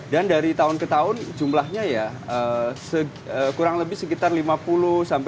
dan dari tahun ke tahun jumlahnya ya kurang lebih lima puluh enam puluh perempuan yang berada di kampung kauman yogyakarta